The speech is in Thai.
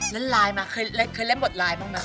เล่นร้ายมาเคยเล่นบทรายมากมั้งนะ